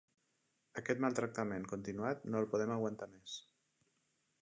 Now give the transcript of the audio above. Aquest maltractament continuat no el podem aguantar més.